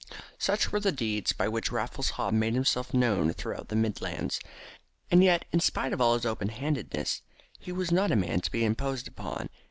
Such were the deeds by which Raffles Haw made himself known throughout the Midlands, and yet, in spite of all his open handedness, he was not a man to be imposed upon.